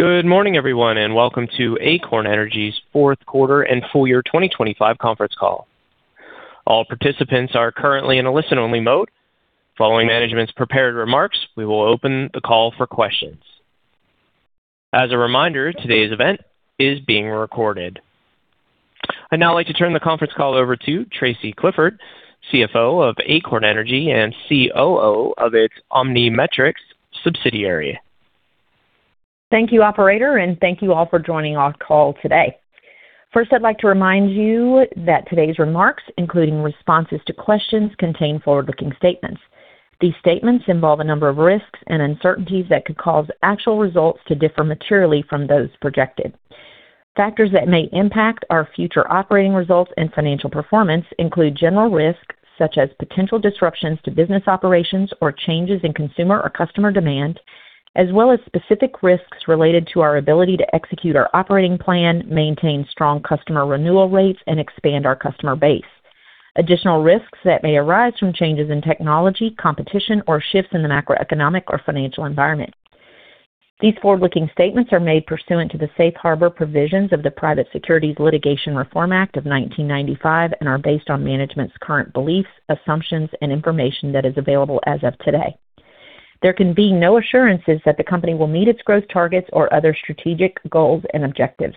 Good morning, everyone, and welcome to Acorn Energy's fourth quarter and full year 2025 conference call. All participants are currently in a listen-only mode. Following management's prepared remarks, we will open the call for questions. As a reminder, today's event is being recorded. I'd now like to turn the conference call over to Tracy Clifford, CFO of Acorn Energy and COO of its OmniMetrix subsidiary. Thank you, operator, and thank you all for joining our call today. First, I'd like to remind you that today's remarks, including responses to questions, contain forward-looking statements. These statements involve a number of risks and uncertainties that could cause actual results to differ materially from those projected. Factors that may impact our future operating results and financial performance include general risks such as potential disruptions to business operations or changes in consumer or customer demand, as well as specific risks related to our ability to execute our operating plan, maintain strong customer renewal rates, and expand our customer base. Additional risks that may arise from changes in technology, competition, or shifts in the macroeconomic or financial environment. These forward-looking statements are made pursuant to the Safe Harbor Provisions of the Private Securities Litigation Reform Act of 1995 and are based on management's current beliefs, assumptions, and information that is available as of today. There can be no assurances that the company will meet its growth targets or other strategic goals and objectives.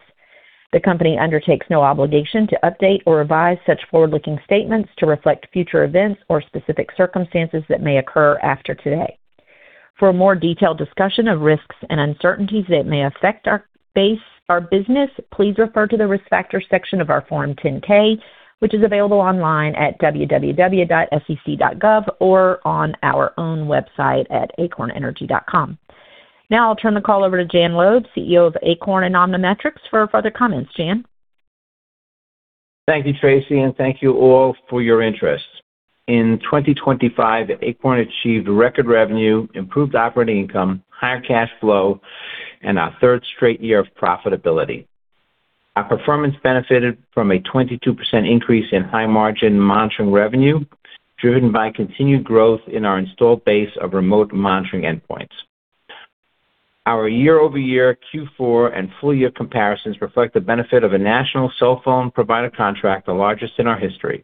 The company undertakes no obligation to update or revise such forward-looking statements to reflect future events or specific circumstances that may occur after today. For a more detailed discussion of risks and uncertainties that may affect our business, please refer to the Risk Factors section of our Form 10-K, which is available online at www.sec.gov or on our own website at acornenergy.com. I'll turn the call over to Jan Loeb, CEO of Acorn and OmniMetrix, for further comments. Jan. Thank you, Tracy, and thank you all for your interest. In 2025, Acorn Energy achieved record revenue, improved operating income, higher cash flow, and our third straight year of profitability. Our performance benefited from a 22% increase in high-margin monitoring revenue, driven by continued growth in our installed base of remote monitoring endpoints. Our year-over-year Q4 and full year comparisons reflect the benefit of a national cell phone provider contract, the largest in our history.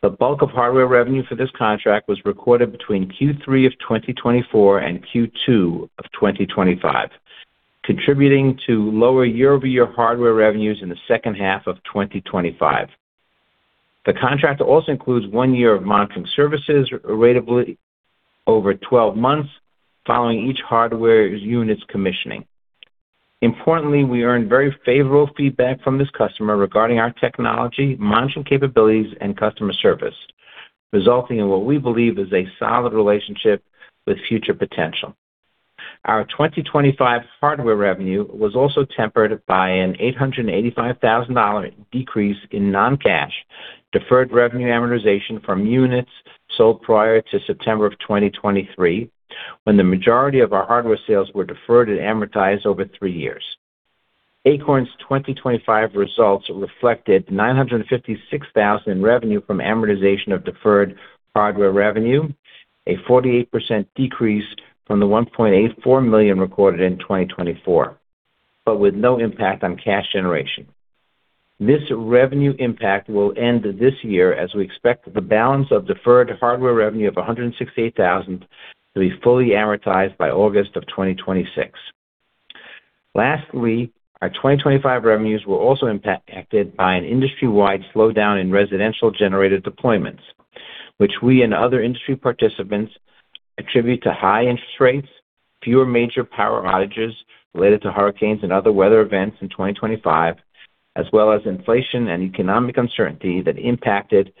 The bulk of hardware revenue for this contract was recorded between Q3 of 2024 and Q2 of 2025, contributing to lower year-over-year hardware revenues in the second half of 2025. The contract also includes one year of monitoring services ratably over 12 months following each hardware unit's commissioning. We earned very favorable feedback from this customer regarding our technology, monitoring capabilities and customer service, resulting in what we believe is a solid relationship with future potential. Our 2025 hardware revenue was also tempered by an $885,000 decrease in non-cash deferred revenue amortization from units sold prior to September of 2023, when the majority of our hardware sales were deferred and amortized over three years. Acorn's 2025 results reflected $956,000 in revenue from amortization of deferred hardware revenue, a 48% decrease from the $1.84 million recorded in 2024, but with no impact on cash generation. This revenue impact will end this year as we expect the balance of deferred hardware revenue of $168,000 to be fully amortized by August of 2026. Lastly, our 2025 revenues were also impacted by an industry-wide slowdown in residential generated deployments, which we and other industry participants attribute to high interest rates, fewer major power outages related to hurricanes and other weather events in 2025, as well as inflation and economic uncertainty that impacted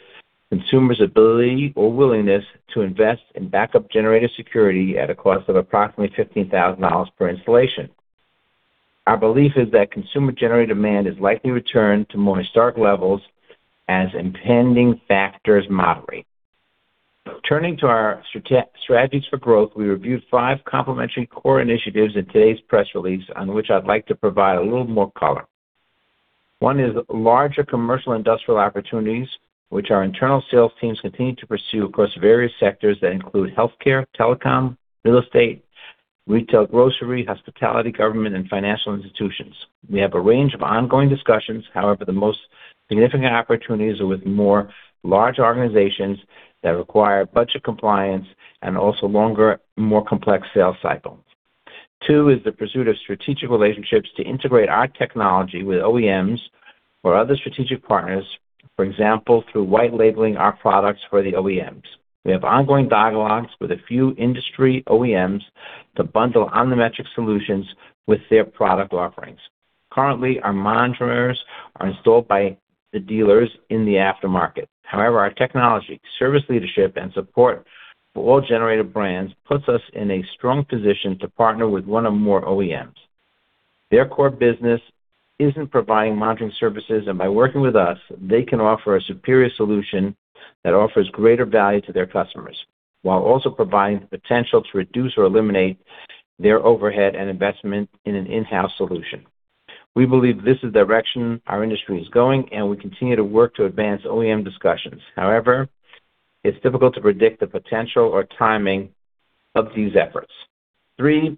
consumers' ability or willingness to invest in backup generator security at a cost of approximately $15,000 per installation. Our belief is that consumer generator demand is likely to return to more historic levels as impending factors moderate. Turning to our strategies for growth, we reviewed five complementary core initiatives in today's press release on which I'd like to provide a little more color. One is larger commercial industrial opportunities, which our internal sales teams continue to pursue across various sectors that include healthcare, telecom, real estate, retail, grocery, hospitality, government, and financial institutions. We have a range of ongoing discussions. The most significant opportunities are with more large organizations that require budget compliance and also longer, more complex sales cycles. Two is the pursuit of strategic relationships to integrate our technology with OEMs or other strategic partners, for example, through white labeling our products for the OEMs. We have ongoing dialogues with a few industry OEMs to bundle OmniMetrix solutions with their product offerings. Currently, our monitors are installed by the dealers in the aftermarket. Our technology, service leadership, and support for all generator brands puts us in a strong position to partner with one or more OEMs. Their core business isn't providing monitoring services, and by working with us, they can offer a superior solution that offers greater value to their customers, while also providing the potential to reduce or eliminate their overhead and investment in an in-house solution. We believe this is the direction our industry is going, and we continue to work to advance OEM discussions. However, it's difficult to predict the potential or timing of these efforts. Three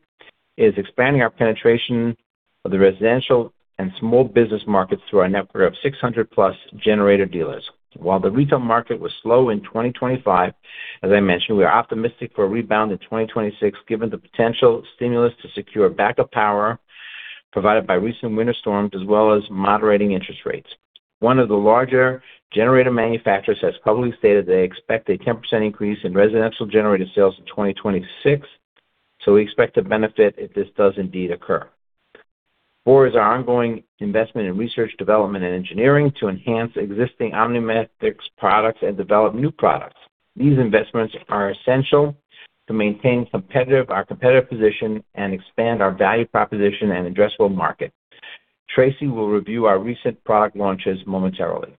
is expanding our penetration of the residential and small business markets through our network of 600+ generator dealers. While the retail market was slow in 2025, as I mentioned, we are optimistic for a rebound in 2026, given the potential stimulus to secure backup power provided by recent winter storms, as well as moderating interest rates. One of the larger generator manufacturers has publicly stated they expect a 10% increase in residential generated sales in 2026, we expect to benefit if this does indeed occur. Four is our ongoing investment in research, development, and engineering to enhance existing OmniMetrix products and develop new products. These investments are essential to maintain our competitive position and expand our value proposition and addressable market. Tracy will review our recent product launches momentarily.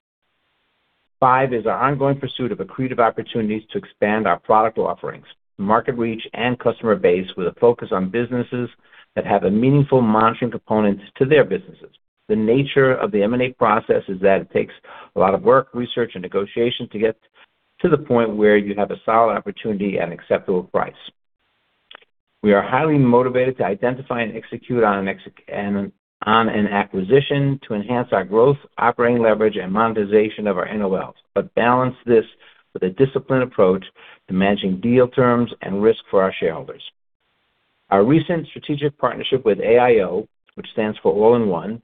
Five is our ongoing pursuit of accretive opportunities to expand our product offerings, market reach, and customer base with a focus on businesses that have a meaningful monitoring component to their businesses. The nature of the M&A process is that it takes a lot of work, research, and negotiation to get to the point where you have a solid opportunity at an acceptable price. We are highly motivated to identify and execute on an acquisition to enhance our growth, operating leverage, and monetization of our NOLs, but balance this with a disciplined approach to managing deal terms and risk for our shareholders. Our recent strategic partnership with AIO, which stands for All In One,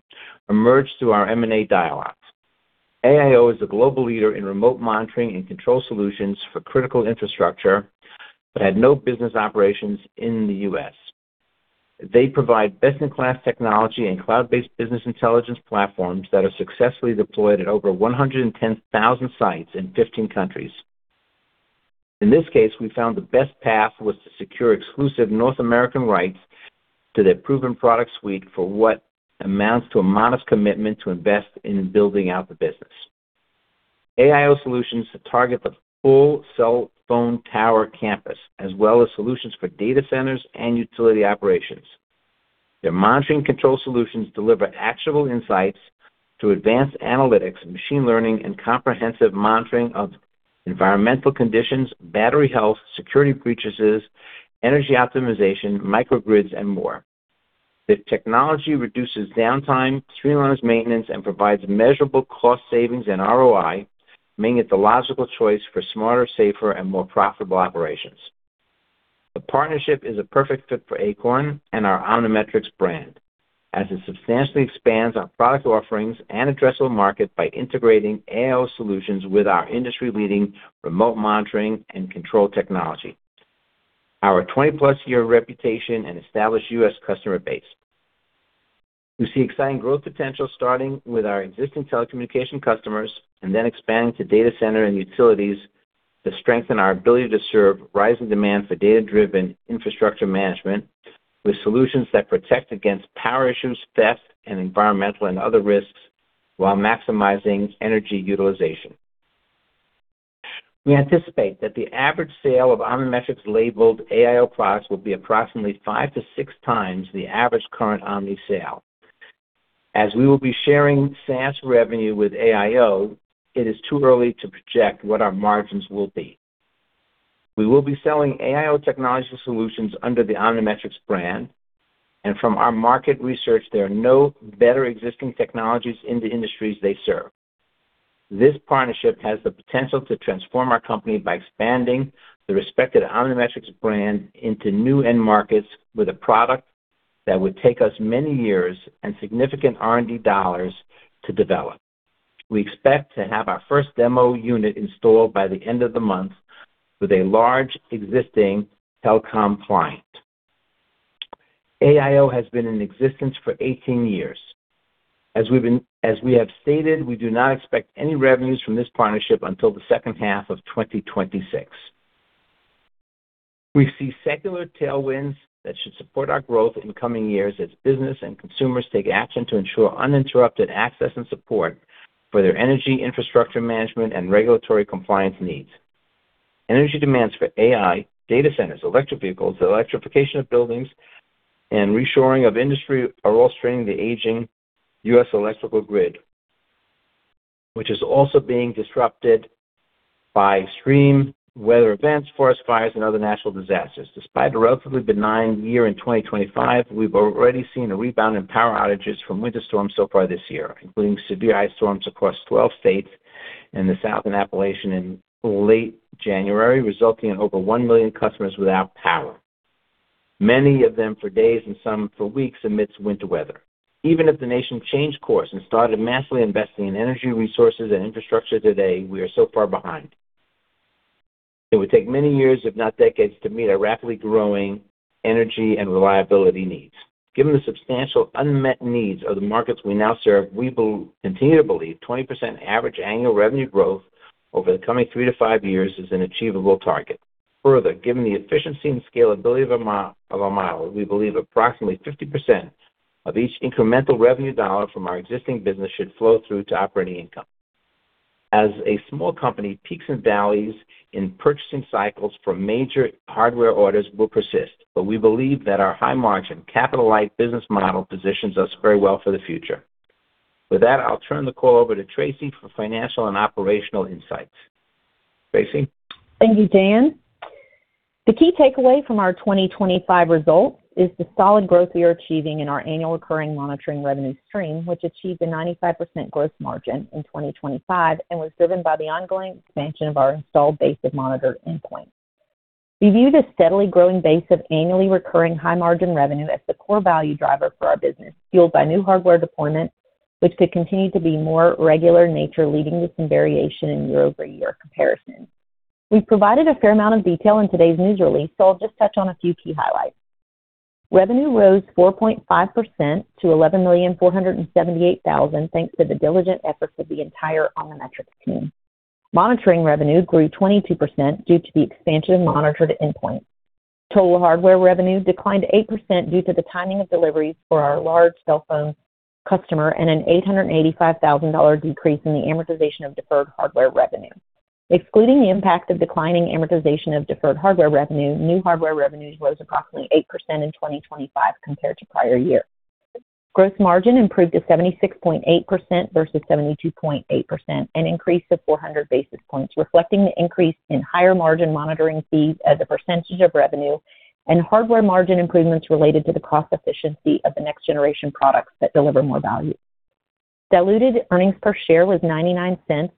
emerged through our M&A dialogue. AIO is a global leader in remote monitoring and control solutions for critical infrastructure but had no business operations in the U.S. They provide best-in-class technology and cloud-based business intelligence platforms that are successfully deployed at over 110,000 sites in 15 countries. In this case, we found the best path was to secure exclusive North American rights to their proven product suite for what amounts to a modest commitment to invest in building out the business. AIO solutions target the full cell phone tower campus, as well as solutions for data centers and utility operations. Their monitoring control solutions deliver actionable insights through advanced analytics, machine learning, and comprehensive monitoring of environmental conditions, battery health, security breaches, energy optimization, microgrids, and more. The technology reduces downtime, streamlines maintenance, and provides measurable cost savings and ROI, making it the logical choice for smarter, safer, and more profitable operations. The partnership is a perfect fit for Acorn and our OmniMetrix brand as it substantially expands our product offerings and addressable market by integrating AIO solutions with our industry-leading remote monitoring and control technology. Our 20+ year reputation and established U.S. customer base. We see exciting growth potential starting with our existing telecommunication customers and then expanding to data center and utilities to strengthen our ability to serve rising demand for data-driven infrastructure management with solutions that protect against power issues, theft, and environmental and other risks while maximizing energy utilization. We anticipate that the average sale of OmniMetrix labeled AIO products will be approximately 5x-6x the average current Omni sale. As we will be sharing SaaS revenue with AIO, it is too early to project what our margins will be. We will be selling AIO technology solutions under the OmniMetrix brand. From our market research, there are no better existing technologies in the industries they serve. This partnership has the potential to transform our company by expanding the respected OmniMetrix brand into new end markets with a product that would take us many years and significant R&D dollars to develop. We expect to have our first demo unit installed by the end of the month with a large existing telecom client. AIO has been in existence for 18 years. As we have stated, we do not expect any revenues from this partnership until the second half of 2026. We see secular tailwinds that should support our growth in coming years as business and consumers take action to ensure uninterrupted access and support for their energy infrastructure management and regulatory compliance needs. Energy demands for AI, data centers, electric vehicles, electrification of buildings, and reshoring of industry are all straining the aging U.S. electrical grid, which is also being disrupted by extreme weather events, forest fires, and other natural disasters. Despite a relatively benign year in 2025, we've already seen a rebound in power outages from winter storms so far this year, including severe ice storms across 12 states in the Southern Appalachian in late January, resulting in over 1 million customers without power, many of them for days and some for weeks amidst winter weather. Even if the nation changed course and started massively investing in energy resources and infrastructure today, we are so far behind. It would take many years, if not decades, to meet our rapidly growing energy and reliability needs. Given the substantial unmet needs of the markets we now serve, we continue to believe 20% average annual revenue growth over the coming three to five years is an achievable target. Further, given the efficiency and scalability of our model, we believe approximately 50% of each incremental revenue dollar from our existing business should flow through to operating income. As a small company, peaks and valleys in purchasing cycles for major hardware orders will persist. We believe that our high margin, capital-light business model positions us very well for the future. With that, I'll turn the call over to Tracy for financial and operational insights. Tracy? Thank you, Jan. The key takeaway from our 2025 results is the solid growth we are achieving in our annual recurring monitoring revenue stream, which achieved a 95% growth margin in 2025 and was driven by the ongoing expansion of our installed base of monitored endpoints. We view the steadily growing base of annually recurring high margin revenue as the core value driver for our business, fueled by new hardware deployments, which could continue to be more regular in nature, leading to some variation in year-over-year comparisons. We've provided a fair amount of detail in today's news release, I'll just touch on a few key highlights. Revenue rose 4.5% to $11,478,000, thanks to the diligent efforts of the entire OmniMetrix team. Monitoring revenue grew 22% due to the expansion of monitored endpoints. Total hardware revenue declined 8% due to the timing of deliveries for our large cell phone customer and a $885,000 decrease in the amortization of deferred hardware revenue. Excluding the impact of declining amortization of deferred hardware revenue, new hardware revenues rose approximately 8% in 2025 compared to prior year. Gross margin improved to 76.8% versus 72.8%, an increase of 400 basis points, reflecting the increase in higher margin monitoring fees as a percentage of revenue and hardware margin improvements related to the cost efficiency of the next generation products that deliver more value. Diluted earnings per share was $0.99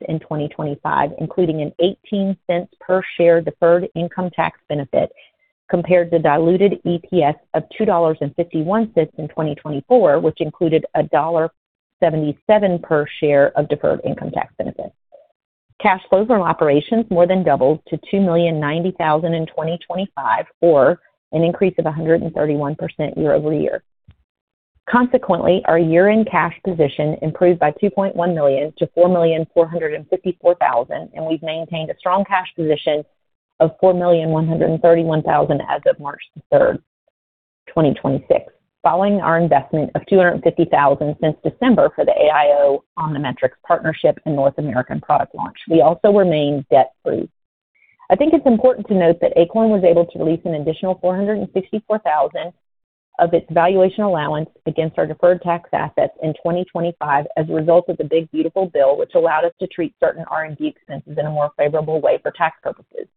in 2025, including an $0.18 per share deferred income tax benefit compared to diluted EPS of $2.51 in 2024, which included a $1.77 per share of deferred income tax benefit. Cash flows from operations more than doubled to $2,090,000 in 2025, or an increase of 131% year-over-year. Our year-end cash position improved by $2.1 million to $4,454,000, and we've maintained a strong cash position of $4,131,000 as of March 3rd, 2026, following our investment of $250,000 since December for the AIO OmniMetrix partnership and North American product launch. We also remain debt-free. I think it's important to note that Acorn was able to release an additional $464,000 of its valuation allowance against our deferred tax assets in 2025 as a result of the Build Back Better Act, which allowed us to treat certain R&D expenses in a more favorable way for tax purposes.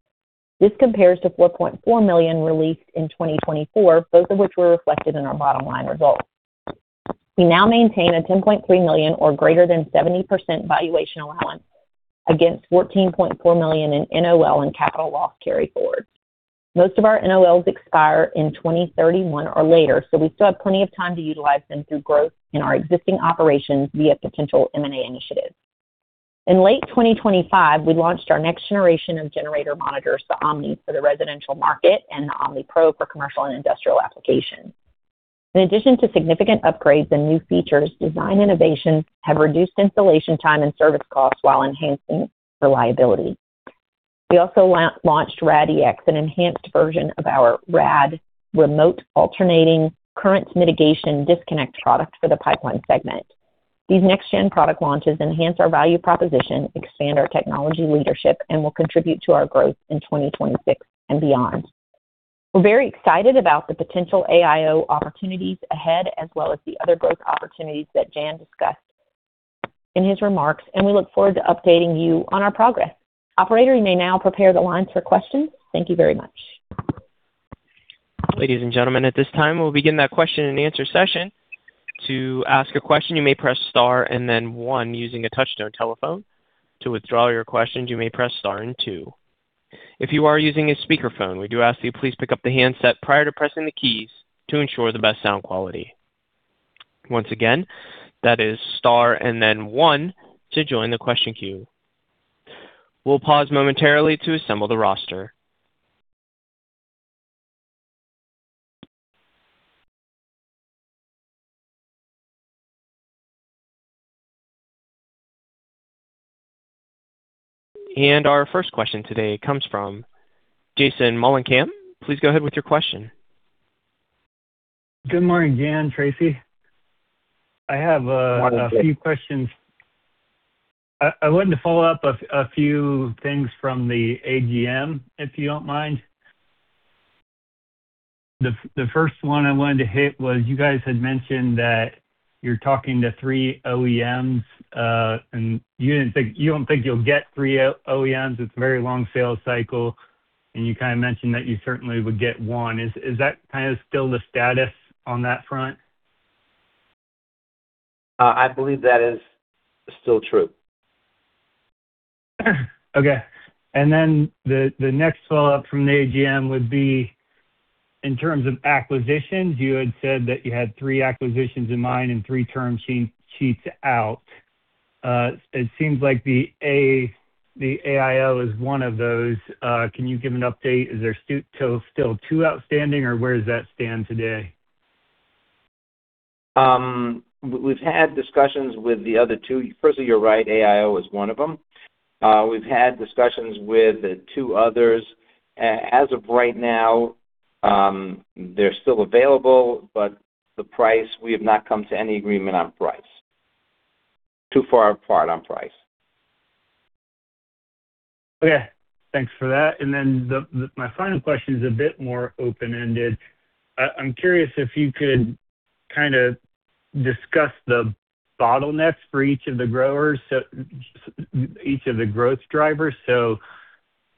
This compares to $4.4 million released in 2024, both of which were reflected in our bottom line results. We now maintain a $10.3 million or greater than 70% valuation allowance against $14.4 million in NOL and capital loss carryforward. Most of our NOLs expire in 2031 or later, so we still have plenty of time to utilize them through growth in our existing operations via potential M&A initiatives. In late 2025, we launched our next generation of generator monitors, the Omni, for the residential market and the OmniPro for commercial and industrial applications. In addition to significant upgrades and new features, design innovations have reduced installation time and service costs while enhancing reliability. We also launched RADex, an enhanced version of our RAD Remote Alternating Current Mitigation disconnect product for the pipeline segment. These next gen product launches enhance our value proposition, expand our technology leadership, and will contribute to our growth in 2026 and beyond. We're very excited about the potential AIO opportunities ahead as well as the other growth opportunities that Jan discussed in his remarks, and we look forward to updating you on our progress. Operator, you may now prepare the lines for questions. Thank you very much. Ladies and gentlemen, at this time, we'll begin that question and answer session. To ask a question, you may press star and then one using a touch-tone telephone. To withdraw your questions, you may press star and two. If you are using a speakerphone, we do ask that you please pick up the handset prior to pressing the keys to ensure the best sound quality. Once again, that is star and then one to join the question queue. We'll pause momentarily to assemble the roster. Our first question today comes from Jason Muhlenkamp. Please go ahead with your question. Good morning, Jan, Tracy. Morning, Jason. I have a few questions. I wanted to follow up a few things from the AGM, if you don't mind. The first one I wanted to hit was you guys had mentioned that you're talking to three OEMs, and you don't think you'll get three OEMs. It's a very long sales cycle, and you kinda mentioned that you certainly would get one. Is that kinda still the status on that front? I believe that is still true. Okay. The next follow-up from the AGM would be in terms of acquisitions. You had said that you had three acquisitions in mind and three term sheets out. It seems like the AIO is one of those. Can you give an update? Is there still two outstanding, or where does that stand today? We've had discussions with the other two. First of you're right, AIO is one of them. We've had discussions with the two others. As of right now, they're still available, but the price, we have not come to any agreement on price. Too far apart on price. Okay. Thanks for that. My final question is a bit more open-ended. I'm curious if you could kind of discuss the bottlenecks for each of the growers, so, each of the growth drivers. you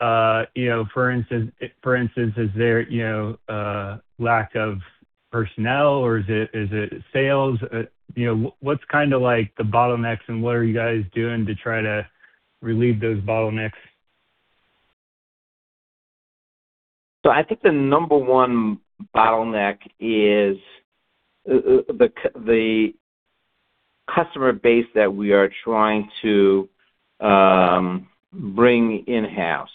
know, for instance, is there, you know, lack of personnel, or is it sales? you know, what's kind of like the bottlenecks and what are you guys doing to try to relieve those bottlenecks? I think the number one bottleneck is the customer base that we are trying to bring in-house.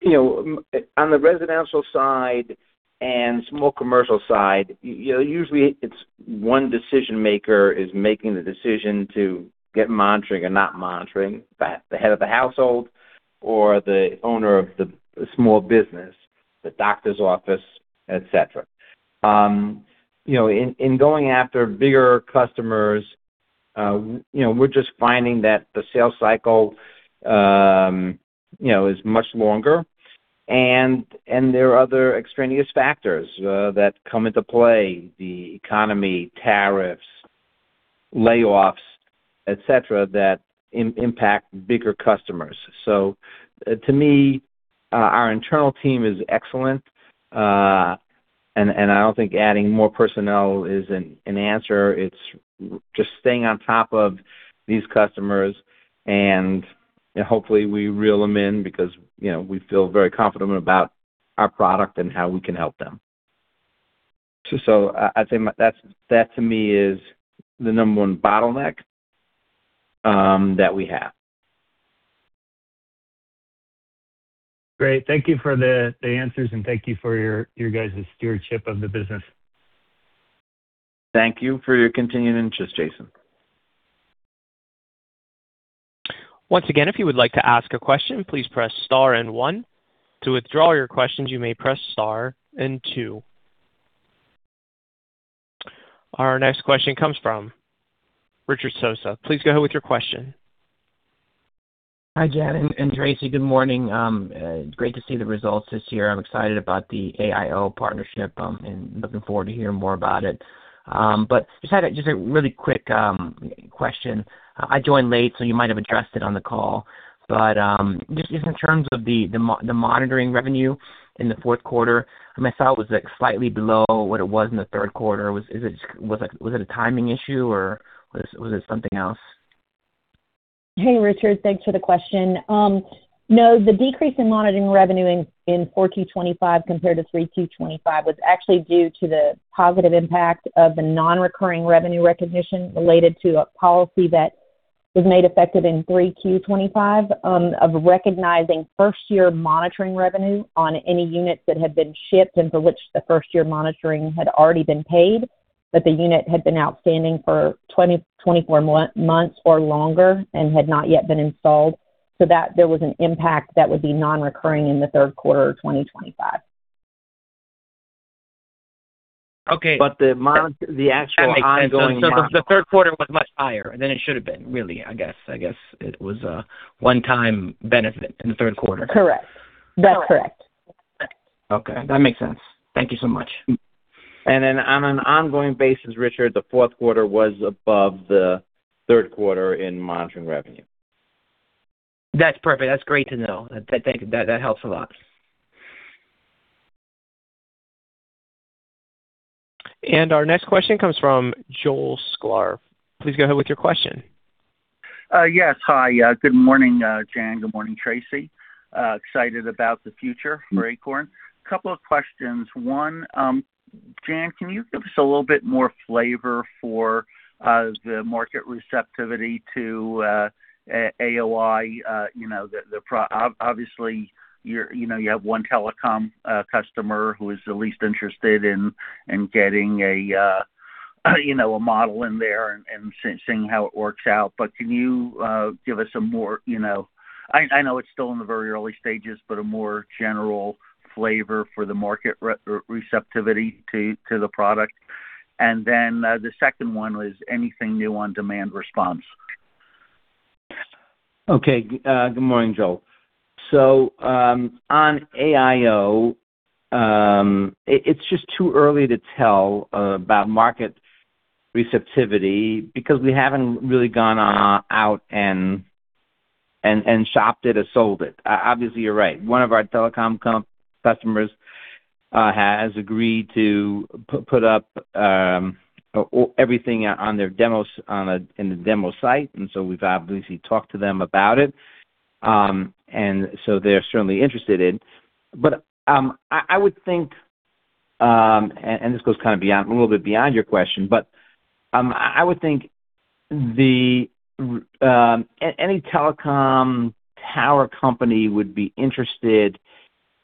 You know, on the residential side and small commercial side, you know, usually it's one decision maker is making the decision to get monitoring and not monitoring, the head of the household or the owner of the small business, the doctor's office, et cetera. You know, in going after bigger customers, you know, we're just finding that the sales cycle, you know, is much longer and there are other extraneous factors that come into play, the economy, tariffs, layoffs, et cetera, that impact bigger customers. To me, our internal team is excellent, and I don't think adding more personnel is an answer. It's just staying on top of these customers and hopefully we reel them in because, you know, we feel very confident about our product and how we can help them. I'd say that's, that to me is the number one bottleneck that we have. Great. Thank you for the answers, thank you for your guys' stewardship of the business. Thank you for your continued interest, Jason. Once again, if you would like to ask a question, please press star and one. To withdraw your questions, you may press star and two. Our next question comes from Richard Sosa. Please go ahead with your question. Hi, Jan and Tracy. Good morning. Great to see the results this year. I'm excited about the AIO partnership, and looking forward to hearing more about it. Just had a really quick question. I joined late, so you might have addressed it on the call. Just in terms of the monitoring revenue in the fourth quarter, I mean, I saw it was, like, slightly below what it was in the third quarter. Was it, like, a timing issue or was it something else? Hey, Richard. Thanks for the question. No, the decrease in monitoring revenue in 4Q 2025 compared to 3Q 2025 was actually due to the positive impact of the non-recurring revenue recognition related to a policy that was made effective in 3Q 2025, of recognizing first year monitoring revenue on any units that had been shipped and for which the first year monitoring had already been paid. The unit had been outstanding for 24 months or longer and had not yet been installed. That there was an impact that would be non-recurring in the third quarter of 2025. Okay. the actual eye on- That makes sense. The third quarter was much higher than it should have been, really, I guess. I guess it was a one-time benefit in the third quarter. Correct. That's correct. Okay. That makes sense. Thank you so much. On an ongoing basis, Richard, the fourth quarter was above the third quarter in monitoring revenue. That's perfect. That's great to know. Thank you. That helps a lot. Our next question comes from Joel Sklar. Please go ahead with your question. Yes. Hi, good morning, Jan. Good morning, Tracy. Excited about the future for Acorn. Couple of questions. One, Jan, can you give us a little bit more flavor for the market receptivity to AIO? You know, obviously, you're, you know, you have one telecom customer who is at least interested in getting a, you know, a model in there and seeing how it works out. Can you give us some more, you know. I know it's still in the very early stages, but a more general flavor for the market receptivity to the product. The second one was anything new on demand response? Okay. Good morning, Joel. On AIO, it's just too early to tell about market receptivity because we haven't really gone out and shopped it or sold it. Obviously, you're right. One of our telecom customers has agreed to put up everything on their demos on a, in the demo site, we've obviously talked to them about it. They're certainly interested in. I would think, and this goes kind of beyond, a little bit beyond your question, I would think any telecom tower company would be interested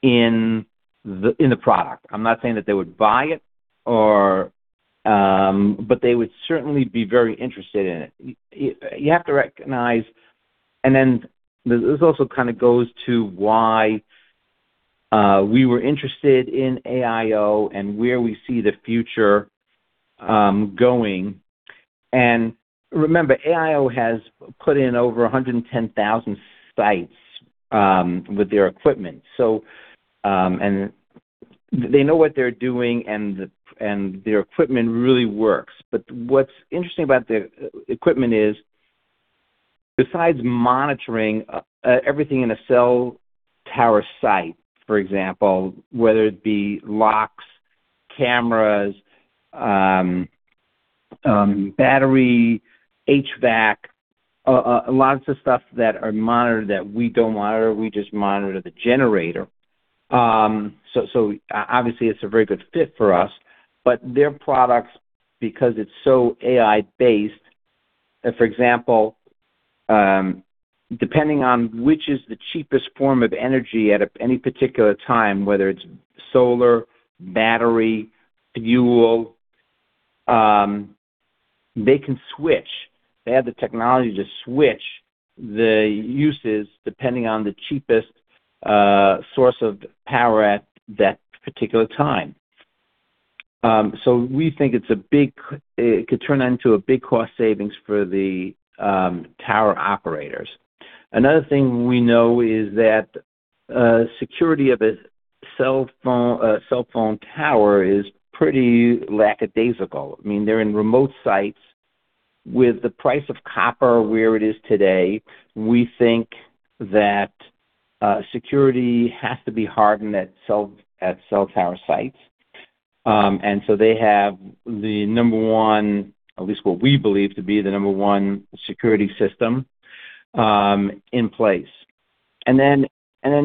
in the product. I'm not saying that they would buy it or they would certainly be very interested in it. You have to recognize... This also kind of goes to why we were interested in AIO and where we see the future going. Remember, AIO has put in over 110,000 sites with their equipment. They know what they're doing, and their equipment really works. What's interesting about their equipment is, besides monitoring everything in a cell tower site, for example, whether it be locks, cameras, battery, HVAC, lots of stuff that are monitored that we don't monitor, we just monitor the generator. So obviously it's a very good fit for us. Their products, because it's so AI-based, for example, depending on which is the cheapest form of energy at any particular time, whether it's solar, battery, fuel, they can switch. They have the technology to switch the uses depending on the cheapest source of power at that particular time. We think it could turn into a big cost savings for the tower operators. Another thing we know is that security of a cell phone tower is pretty lackadaisical. I mean, they're in remote sites. With the price of copper where it is today, we think that security has to be hardened at cell tower sites. They have the number one, at least what we believe to be the number one security system in place.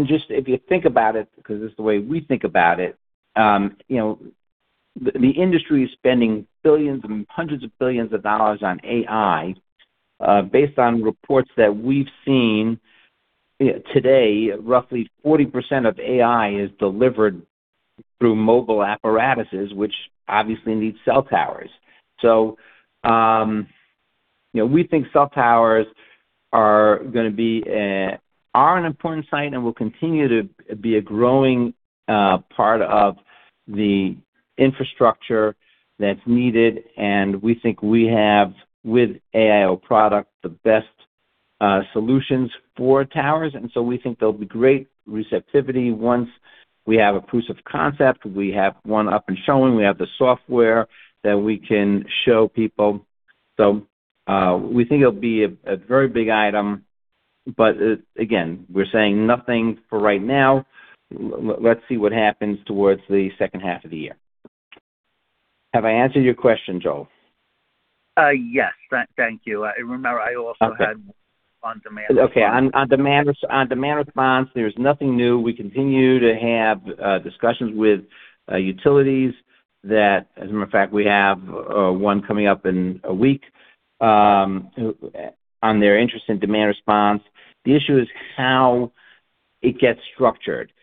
Just if you think about it, because it's the way we think about it, you know, the industry is spending billions and hundreds of billions of dollars on AI, based on reports that we've seen today, roughly 40% of AI is delivered through mobile apparatuses, which obviously need cell towers. You know, we think cell towers are gonna be, are an important site and will continue to be a growing part of the infrastructure that's needed. We think we have, with AIO product, the best solutions for towers, we think there'll be great receptivity once we have a proof of concept. We have one up and showing. We have the software that we can show people. We think it'll be a very big item. Again, we're saying nothing for right now. Let's see what happens towards the second half of the year. Have I answered your question, Joel? yes. Thank you. I remember I also had- Okay. on demand. Okay. On demand response, there's nothing new. We continue to have discussions with utilities that. As a matter of fact, we have one coming up in a week on their interest in demand response. The issue is how it gets structured.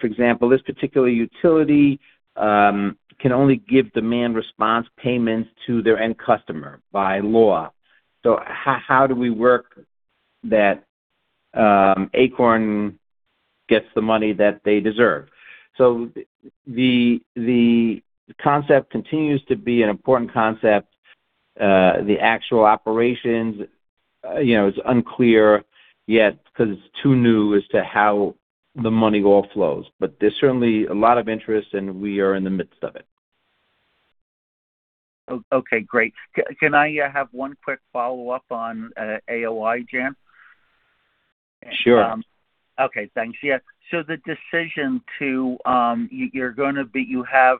For example, this particular utility can only give demand response payments to their end customer by law. How do we work that Acorn gets the money that they deserve? The concept continues to be an important concept. The actual operations, you know, is unclear yet 'cause it's too new as to how the money all flows. There's certainly a lot of interest, and we are in the midst of it. Okay, great. Can I have one quick follow-up on AIO, Jan? Sure. Okay, thanks. Yeah. The decision to, you have,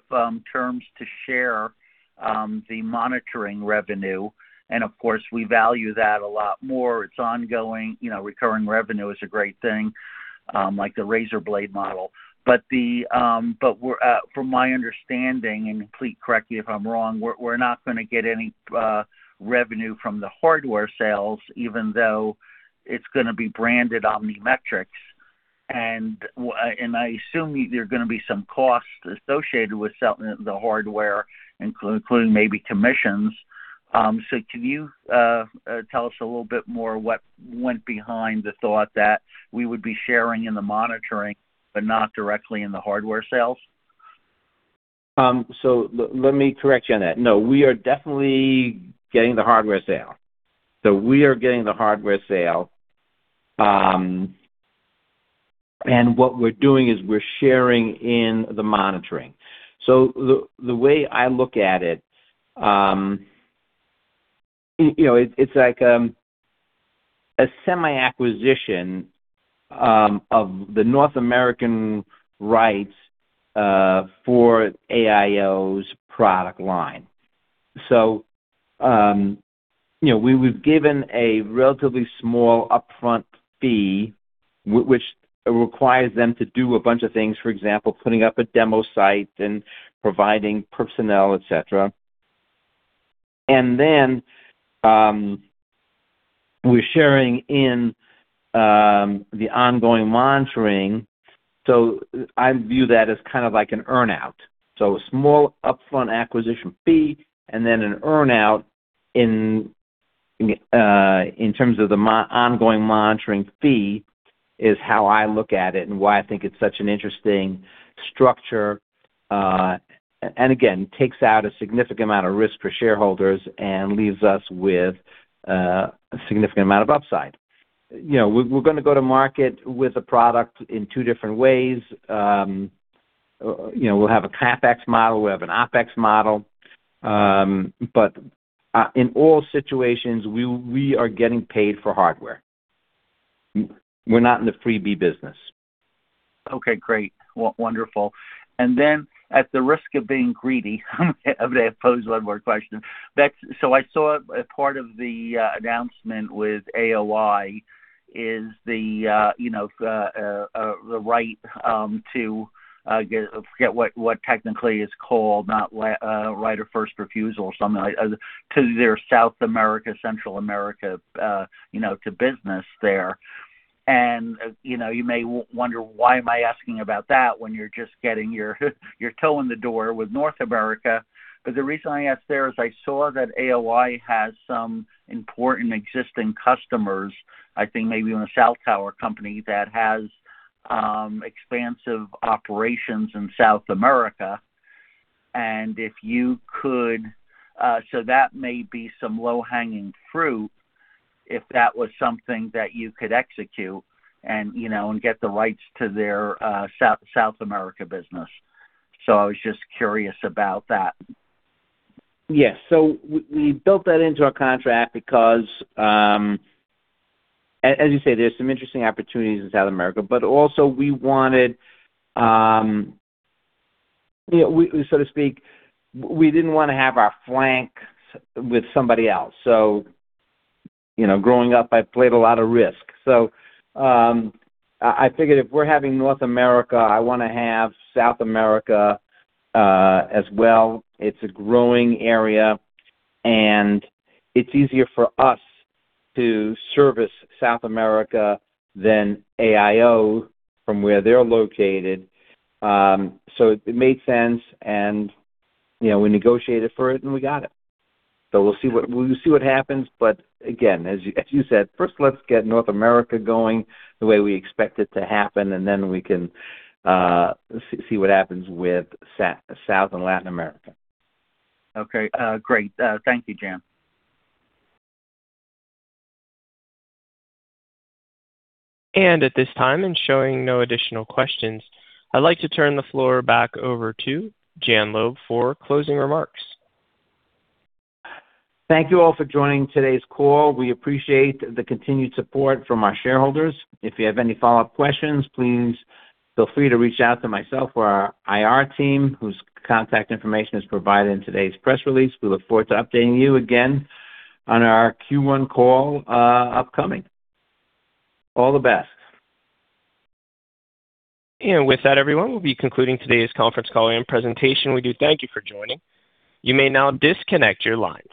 terms to share, the monitoring revenue, and of course, we value that a lot more. It's ongoing. You know, recurring revenue is a great thing, like the razor blade model. We're, from my understanding, and please correct me if I'm wrong, we're not gonna get any revenue from the hardware sales, even though it's gonna be branded OmniMetrix. I assume there are gonna be some costs associated with selling the hardware, including maybe commissions. Can you tell us a little bit more what went behind the thought that we would be sharing in the monitoring, but not directly in the hardware sales? Let me correct you on that. No, we are definitely getting the hardware sale. We are getting the hardware sale, and what we're doing is we're sharing in the monitoring. The way I look at it, you know, it's like a semi-acquisition of the North American rights for AIO's product line. You know, we were given a relatively small upfront fee, which requires them to do a bunch of things. For example, putting up a demo site and providing personnel, etc. Then we're sharing in the ongoing monitoring. I view that as kind of like an earn-out. A small upfront acquisition fee and then an earn-out in terms of the ongoing monitoring fee is how I look at it and why I think it's such an interesting structure. Again, takes out a significant amount of risk for shareholders and leaves us with a significant amount of upside. You know, we're gonna go to market with a product in two different ways. You know, we'll have a CapEx model, we'll have an OpEx model, but, in all situations, we are getting paid for hardware. We're not in the freebie business. Okay, great. Wonderful. At the risk of being greedy, I'm gonna pose one more question. I saw a part of the announcement with AIO is the, you know, the right to, I forget what technically is called, not right of first refusal or something like to their South America, Central America, you know, to business there. You know, you may wonder why am I asking about that when you're just getting your toe in the door with North America. The reason I ask there is I saw that AIO has some important existing customers, I think maybe even a cell tower company that has expansive operations in South America. If you could, so that may be some low-hanging fruit if that was something that you could execute and, you know, and get the rights to their, South America business. I was just curious about that. Yes. We built that into our contract because, as you say, there's some interesting opportunities in South America, but also we wanted. You know, we, so to speak, we didn't wanna have our flank with somebody else. You know, growing up, I played a lot of risk. I figured if we're having North America, I wanna have South America as well. It's a growing area, and it's easier for us to service South America than AIO from where they're located. It made sense and, you know, we negotiated for it and we got it. We'll see what happens. Again, as you said, first let's get North America going the way we expect it to happen, and then we can see what happens with South and Latin America. Okay. Great. Thank you, Jan. At this time, and showing no additional questions, I'd like to turn the floor back over to Jan Loeb for closing remarks. Thank you all for joining today's call. We appreciate the continued support from our shareholders. If you have any follow-up questions, please feel free to reach out to myself or our IR team, whose contact information is provided in today's press release. We look forward to updating you again on our Q1 call, upcoming. All the best. With that, everyone, we'll be concluding today's conference call and presentation. We do thank you for joining. You may now disconnect your lines.